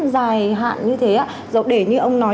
dài hạn như thế á để như ông nói